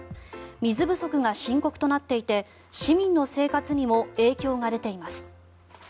水不足が深刻となっていて市民の生活にも影響が出ています。